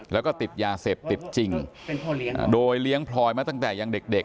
แล้วก็ติดยาเสพติดจริงโดยเลี้ยงพลอยมาตั้งแต่ยังเด็ก